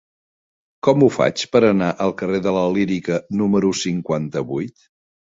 Com ho faig per anar al carrer de la Lírica número cinquanta-vuit?